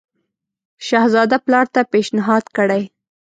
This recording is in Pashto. شهزاده پلار ته پېشنهاد کړی.